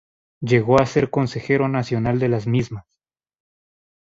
Llegó a ser consejero nacional de las mismas.